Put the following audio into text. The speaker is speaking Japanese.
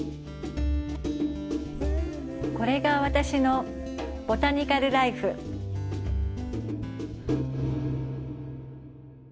これが私のボタニカル・らいふ。